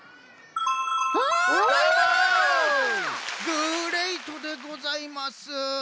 グレイトでございます！